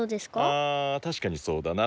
あたしかにそうだな。